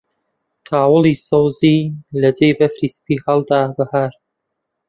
تاوڵی سەوزی لە جێی بەفری سپی هەڵدا بەهار